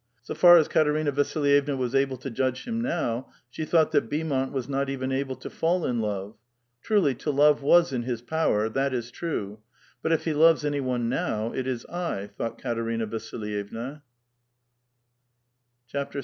So far as Katerina Vasilyevna was able to judge him now, she thought that Beaumont was not even able to fall in love. Truly, to love was in his power ; that is true. But if he loves any one now, it is I," thought Katerina Vasilvevua. XVI.